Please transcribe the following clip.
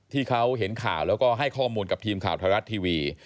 ที่เขาเห็นข่าวแล้วก็ให้ข้อมูลกับทีมข่าวไทยรัฐทีวี